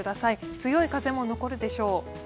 強い風も残るでしょう。